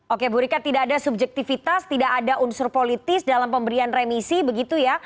oke bu rika tidak ada subjektivitas tidak ada unsur politis dalam pemberian remisi begitu ya